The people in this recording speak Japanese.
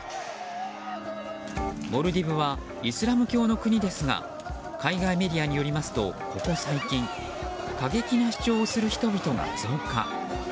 モルディブはイスラム教の国ですが海外メディアによりますとここ最近過激な主張をする人々が増加。